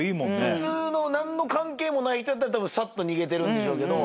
普通の何の関係もない人やったらたぶんさっと逃げてるんでしょうけど。